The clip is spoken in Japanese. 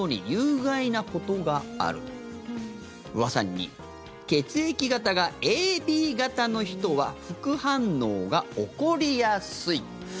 ２、血液型がＡＢ型の人は副反応が起こりやすい。